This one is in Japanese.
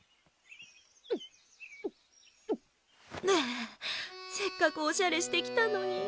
はあせっかくおしゃれして来たのに。